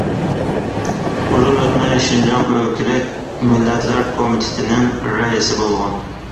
ئۇزۇن ئۆتمەي شىنجاڭ ئۆلكىلىك مىللەتلەر كومىتېتىنىڭ رەئىسى بولغان.